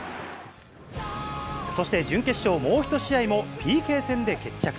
そして、準決勝もう１試合も、ＰＫ戦で決着。